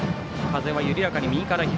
風は緩やかに右から左。